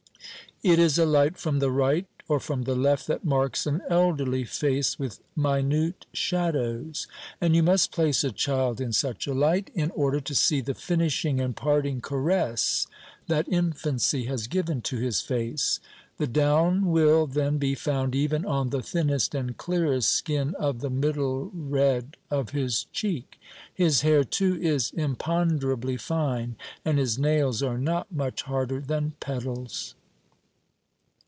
It is a light from the right or from the left that marks an elderly face with minute shadows. And you must place a child in such a light, in order to see the finishing and parting caress that infancy has given to his face. The down will then be found even on the thinnest and clearest skin of the middle red of his cheek. His hair, too, is imponderably fine, and his nails are not much harder than petals.